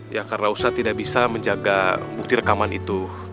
ya karena usaha tidak bisa menjaga bukti rekaman itu